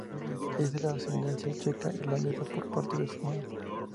Ella es de ascendencia checa e irlandesa por parte de su madre.